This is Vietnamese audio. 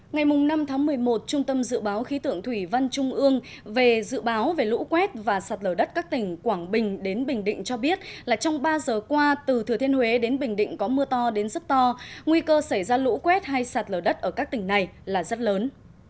ngày năm tháng một mươi một trung tâm dự báo khí tượng thủy văn trung ương về dự báo về lũ quét và sạt lở đất các tỉnh quảng bình đến bình định cho biết là trong ba giờ qua từ thừa thiên huế đến bình định có mưa to đến rất to nguy cơ xảy ra lũ quét hay sạt lở đất ở các tỉnh này là rất lớn